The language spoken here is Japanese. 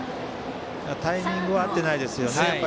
タイミングは合ってないですよね。